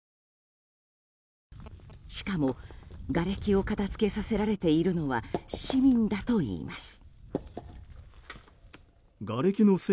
しかも、がれきを片付けさせられているのは市民だといいます。